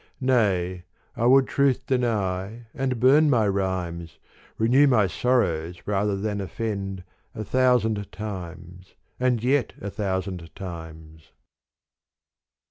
Nay I would truth deny and bum my rhymes, Renew my sorrows rather than offend, A thousand times and yet a thousand times.